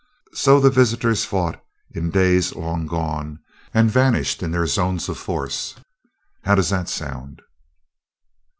So the visitors fought in days long gone, and vanished in their zones of force. How does that sound?"